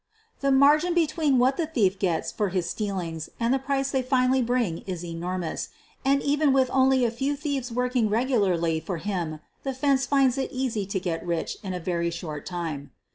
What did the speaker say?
The margin between what the thief gets for his stealings and the price they finally bring is enormous, and even with only a few thieves working regularly for him the "fence" finds it easy to get rich in a very short time.